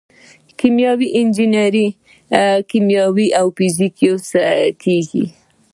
په کیمیاوي انجنیری کې کیمیا او فزیک یوځای کیږي.